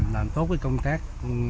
làm tốt công tác